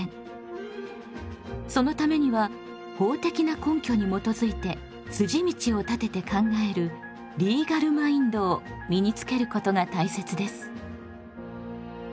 そのためには法的な根拠に基づいて筋道を立てて考えるリーガル・マインドを身につけることが大切です。